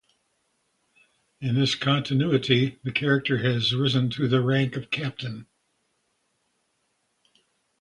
In this continuity, the character has risen to the rank of Captain.